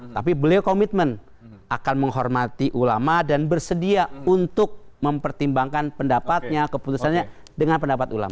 tapi beliau komitmen akan menghormati ulama dan bersedia untuk mempertimbangkan pendapatnya keputusannya dengan pendapat ulama